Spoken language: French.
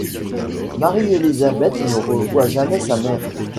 Marie-Élisabeth ne revoit jamais sa mère.